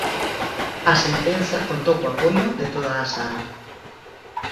A sentenza contou co apoio de toda a sala.